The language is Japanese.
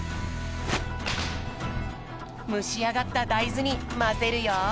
むしあがっただいずにまぜるよ。